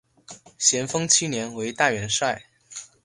咸丰七年为大元帅。